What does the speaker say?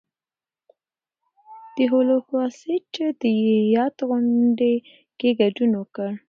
ده د هولوکاسټ د یاد غونډې کې ګډون وکړ.